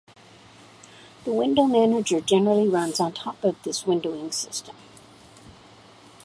The window manager generally runs on top of this windowing system.